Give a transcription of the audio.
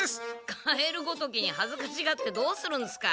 カエルごときにはずかしがってどうするんすか。